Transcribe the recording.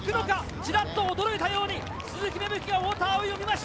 ちらっと驚いたように鈴木芽吹が太田を見ました。